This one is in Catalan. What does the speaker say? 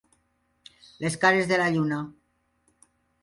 Les cares de la lluna.